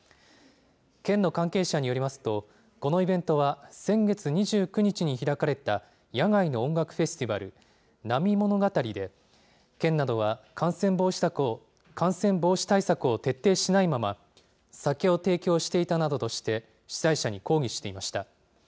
県の関係者によりますと、このイベントは、先月２９日に開かれた、野外の音楽フェスティバル、ナミモノガタリで、県などは感染防止対策を徹底しないまま、酒を提供していたなどとして、主催者に抗議していました。